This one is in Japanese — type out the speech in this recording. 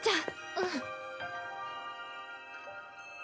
うん。